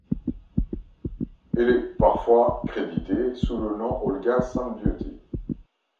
Elle est parfois créditée sous le nom Olga Sunbeauty.